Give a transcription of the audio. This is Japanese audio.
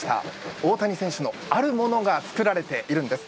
大谷選手のあるものが作られているんです。